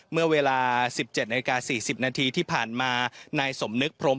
เมื่อเวลา๑๗นาฬิกา๔๐นาทีที่ผ่านมานายสมนึกพรม